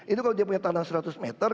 itu kalau dia punya tanah seratus meter